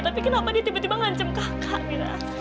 tapi kenapa dia tiba tiba ngancam kakak bilang